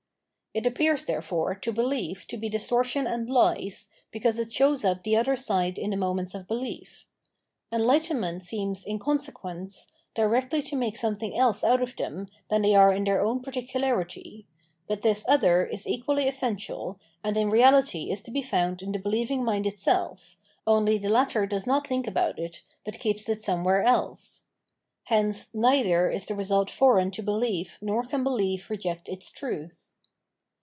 It appears, therefore, to behef! to be distortion and hes, because it shows up the other j' side in the moments of behef. Enhghtenment seemf^> to consequence, directly to make something else (!>ot of them than they are in their own particu larit^/'; but this other is equahy essential, and in reahfy is to be found m the beheving mind itself, only the latter does not think about it, but keeps it some The Struggle of Enlightenment with Superstition 573 wliere else. Hence neither is the result foreign to belief nor can behef reject its truth.